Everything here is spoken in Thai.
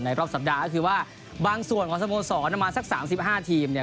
ในรอบสัปดาห์ตั้งคือว่าบางส่วนวันสมสอนมาสัก๓๕ทีมเนี่ย